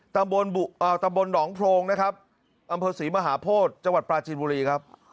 ตำบลตำบลหนองโพรงนะครับอำเภอศรีมหาโพธิจังหวัดปลาจีนบุรีครับ